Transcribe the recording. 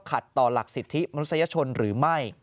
ต่อหลักสิทธิมนุษยชนหรือไม่